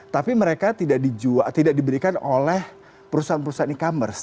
tapi mereka tidak diberikan oleh perusahaan perusahaan e commerce